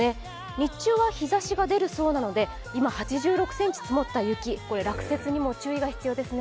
日中は日ざしが出るそうなんですが、今、８６ｃｍまで積もった雪、落雪にも注意が必要ですね。